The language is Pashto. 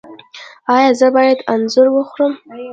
ایا زه باید انځر وخورم؟